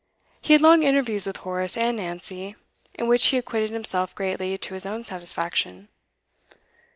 He had long interviews with Horace and Nancy, in which he acquitted himself greatly to his own satisfaction.